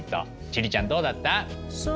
千里ちゃんどうだった？